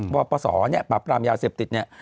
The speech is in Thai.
ว่าประสอบปรามยาวเสพติดเนี่ย